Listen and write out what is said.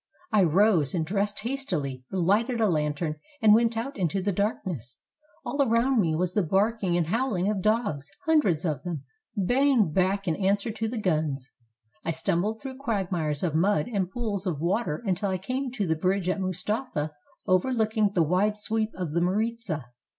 I ros<^ and dressed hastily, lighted a lantern, and went out into the darkness. All around me was the barking and howling of dogs, hundreds of them, baying back an an swer to the guns. I stumbled through quagmires of mud and pools of water until I came to the bridge of Mustafa overlooking the wide sweep of the Maritza.